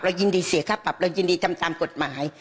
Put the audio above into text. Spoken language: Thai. ยินดีเสียค่าปรับเรายินดีทำตามกฎหมาย